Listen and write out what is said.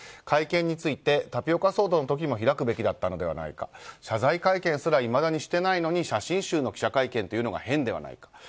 会見についてタピオカ騒動の時も開くべきだったのではとか謝罪会見すらいまだにしてないのに写真集の記者会見は変ではないか。